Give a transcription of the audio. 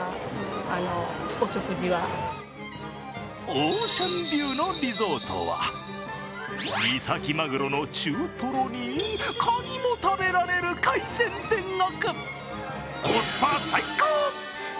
オーシャンビューのリゾートは、三崎まぐろの中とろにかにも食べられる海鮮天国。